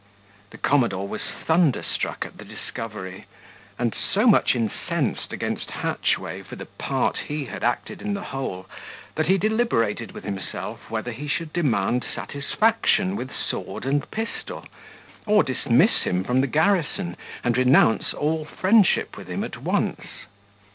The commodore was thunderstruck at the discovery, and so much incensed against Hatchway for the part he had acted in the whole, that he deliberated with himself, whether he should demand satisfaction with sword and pistol, or dismiss him from the garrison, and renounce all friendship with him at once.